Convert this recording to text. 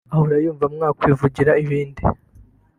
ahora yumva mwakwivugira ibindi